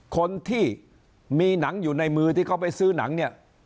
คนที่มีหนังอยู่ในมือที่เขาไปซื้อหนังเนี่ย